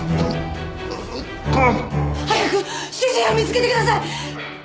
早く主人を見つけてください！